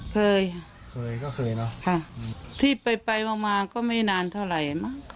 เคยที่ไปมาก็ไม่นานเท่าไหร่